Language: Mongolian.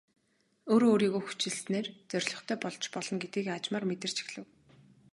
Өөрөө өөрийгөө хүчилснээр зорилготой болж болно гэдгийг аажмаар мэдэрч эхлэв.